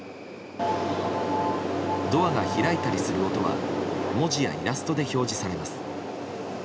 ドアが開いたりする音は文字やイラストで表示されます。